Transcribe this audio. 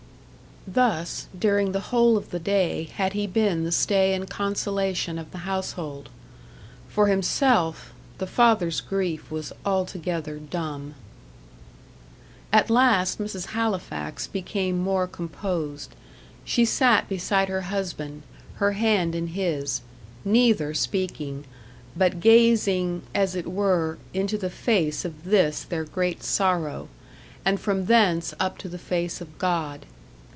Thus, during the whole of the day, had he been the stay and consolation of the household. For himself the father's grief was altogether dumb. At last Mrs. Halifax became more composed. She sat beside her husband, her hand in his, neither speaking, but gazing, as it were, into the face of this their great sorrow, and from thence up to the face of God.